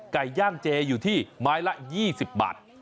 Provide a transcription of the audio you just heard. ไก่ย่างเจอยู่ที่ไม้ละ๒๐บาท